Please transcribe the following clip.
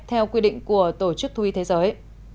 theo quy định của tổ chức thú y thế giới